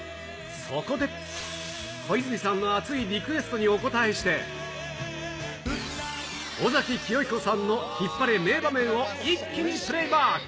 そこで、小泉さんの熱いリクエストにお応えして、尾崎紀世彦さんのヒッパレ名場面を一気にプレイバック。